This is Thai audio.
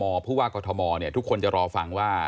ผู้ว่ากอทมทุกคนจะรอฟังว่า